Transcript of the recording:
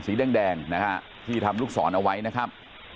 สีแดงนะฮะที่ทำลูกศรเอาไว้นะครับ